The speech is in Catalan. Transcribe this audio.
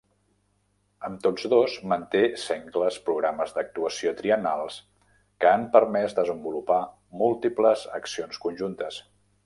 Amb tots dos manté sengles programes d'actuació triennals que han permès desenvolupar múltiples accions conjuntes.